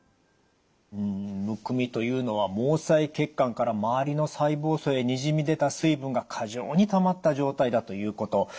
むくみというのは毛細血管から周りの細胞層へにじみ出た水分が過剰にたまった状態だということ。